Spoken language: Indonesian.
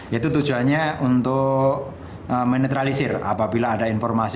itu tujuannya untuk menetralisir apabila ada informasi